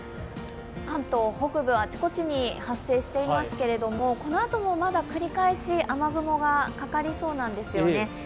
関東北部、あちこちに発生していますけれども、このあともまだ繰り返し雨雲がかかりそうなんですよね。